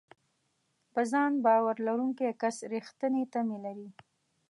په ځان باور لرونکی کس رېښتینې تمې لري.